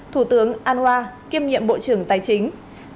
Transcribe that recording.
thủ tướng anwar kiêm nhiệm bộ trưởng tài chính